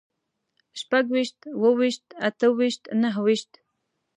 شپږويشت، اووهويشت، اتهويشت، نههويشت